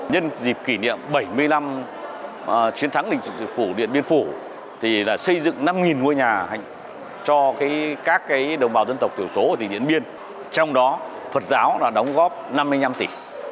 nhân dịp kỷ niệm bảy mươi năm chiến thắng lịch sử phủ điện biên phủ là xây dựng năm ngôi nhà cho các đồng bào dân tộc tiểu số ở tỉnh điện biên trong đó phật giáo đã đóng góp năm mươi năm tỷ